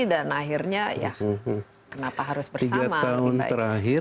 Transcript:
dan akhirnya ya kenapa harus bersama